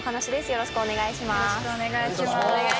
よろしくお願いします。